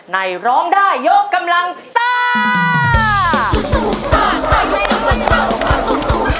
ในร้องได้ยกกำลังซ่า